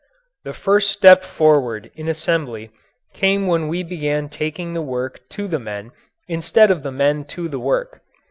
The first step forward in assembly came when we began taking the work to the men instead of the men to the work.